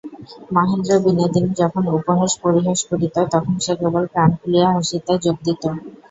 মহেন্দ্র-বিনোদিনী যখন উপহাস-পরিহাস করিত, তখন সে কেবল প্রাণ খুলিয়া হাসিতে যোগ দিত।